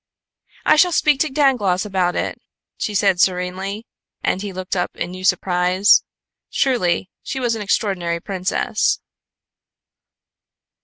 "I shall speak to Dangloss about it," she said serenely, and he looked up in new surprise. Truly, she was an extraordinary princess.